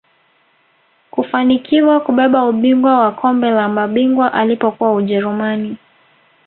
kufanikiwa kubeba ubingwa wa kombe la mabingwa alipokuwa ujerumani